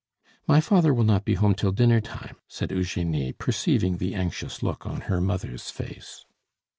"My father will not be home till dinner time," said Eugenie, perceiving the anxious look on her mother's face.